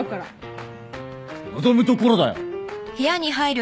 望むところだよ！